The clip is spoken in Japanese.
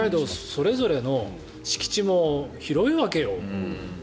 それぞれの敷地も広いわけよ。